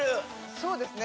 そうですね。